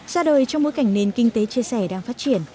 ra đời trong bối cảnh nền kinh tế chia sẻ đang phát triển